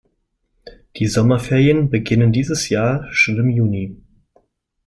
Die Sommerferien beginnen dieses Jahr schon im Juni.